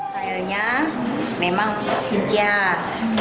style nya memang sincang